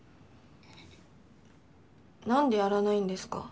なんでやらないんですか？